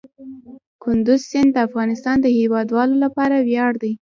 کندز سیند د افغانستان د هیوادوالو لپاره ویاړ دی.